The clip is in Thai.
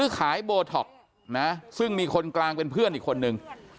ขายโบท็อกนะซึ่งมีคนกลางเป็นเพื่อนอีกคนนึง